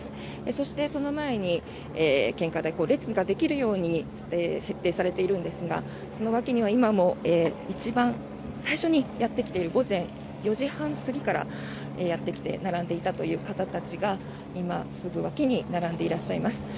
そして、その前に献花台列ができるように設定されているんですがその脇には一番最初にやってきている午前４時半過ぎからやってきて並んでいたという方たちが今、すぐ脇に並んでいらっしゃいます。